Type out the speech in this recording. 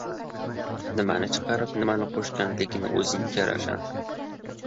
Nimani chiqarib, nimani qo‘shganligi o‘zingga ravshan.